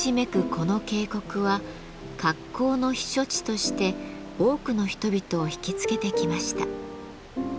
この渓谷は格好の避暑地として多くの人々を引きつけてきました。